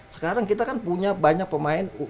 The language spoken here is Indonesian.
sekarang kita kan punya banyak pemain